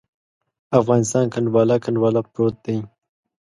افغانستان کنډواله، کنډواله پروت دی.